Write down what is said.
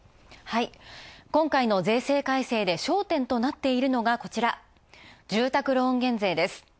今回の税制改正で焦点となっているのが住宅ローン減税です。